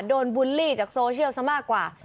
บูลลี่จากโซเชียลซะมากกว่า